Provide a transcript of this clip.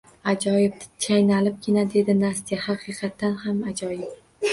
Ajoyib! – chaynalibgina dedi Nastya. – Haqiqatan ham ajoyib.